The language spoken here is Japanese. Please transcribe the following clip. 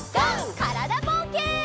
からだぼうけん。